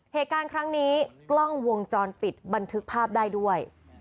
เหตุการณ์ครั้งนี้กล้องวงจรปิดบันทึกภาพได้ด้วย